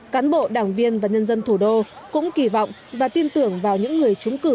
cán bộ đảng viên và nhân dân thủ đô cũng kỳ vọng và tin tưởng vào những người trúng cử